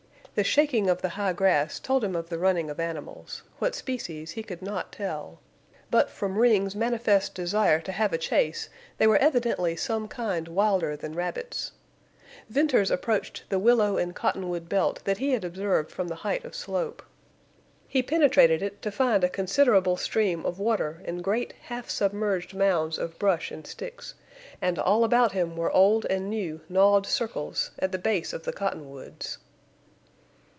The shaking of the high grass told him of the running of animals, what species he could not tell, but from Ring's manifest desire to have a chase they were evidently some kind wilder than rabbits. Venters approached the willow and cottonwood belt that he had observed from the height of slope. He penetrated it to find a considerable stream of water and great half submerged mounds of brush and sticks, and all about him were old and new gnawed circles at the base of the cottonwoods.